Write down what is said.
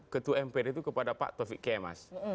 ketua mpr itu kepada pak taufik kemas